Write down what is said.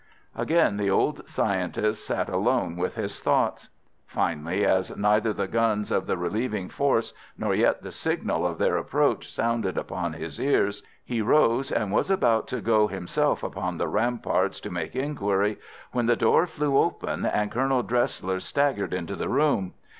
Again the old scientist sat alone with his thoughts. Finally, as neither the guns of the relieving force nor yet the signal of their approach sounded upon his ears, he rose, and was about to go himself upon the ramparts to make inquiry when the door flew open, and Colonel Dresler staggered into the room.